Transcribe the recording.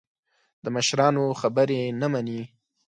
د مشرانو خبرې نه مني.